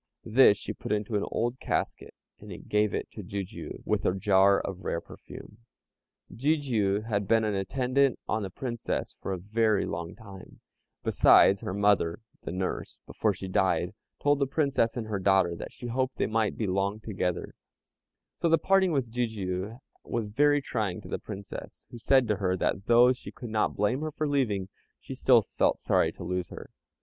This she put into an old casket, and gave it to Jijiu, with a jar of rare perfume. Jijiu had been an attendant on the Princess for a very long time, besides, her mother (the nurse), before she died, told the Princess and her daughter that she hoped they might be long together; so the parting with Jijiu was very trying to the Princess who said to her that though she could not blame her for leaving, she still felt sorry to lose her.